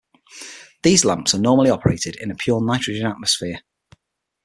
These lamps are normally operated in a pure nitrogen atmosphere.